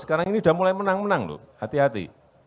sekarang ini sudah mulai menang menang loh hati hati